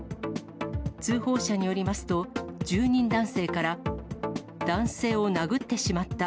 通報者によりますと、住人男性から男性を殴ってしまった。